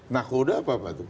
nahuda apa apa itu